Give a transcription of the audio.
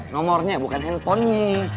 nomornya bukan handphonenyi